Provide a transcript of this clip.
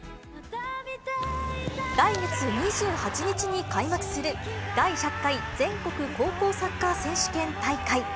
来月２８日に開幕する第１００回全国高校サッカー選手権大会。